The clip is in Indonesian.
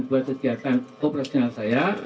buat kegiatan operasional saya